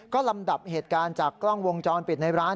ก็ลำดับเหตุการณ์จากกล้องวงจรปิดในร้าน